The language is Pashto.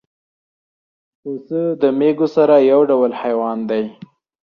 پسه د مېږو سره یو ډول حیوان دی.